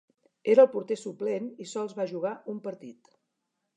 Era el porter suplent i sols va jugar un partit.